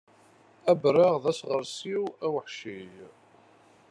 Abaraɣ d aɣersiw aweḥci.